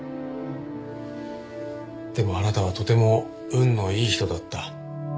でもあなたはとても運のいい人だった。